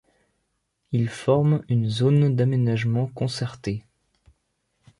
Il forme une zone d'aménagement concerté.